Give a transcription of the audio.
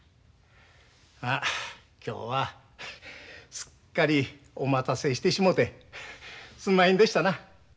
まあ今日はすっかりお待たせしてしもてすんまへんでしたな。